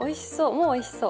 もうおいしそう！